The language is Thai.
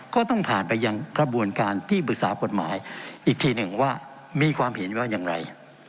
ก็ต้องผ่านไปยังกระบวนการที่ปรึกษากฎหมายอีกทีหนึ่งว่ามีความเห็นว่าอย่างไร